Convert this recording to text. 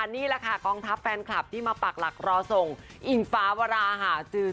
นี่แหละค่ะกองทัพแฟนคลับที่มาปากหลักรอส่งอิงฟ้าวราหาจือ